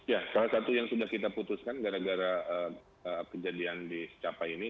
ya salah satu yang sudah kita putuskan gara gara kejadian di secapai ini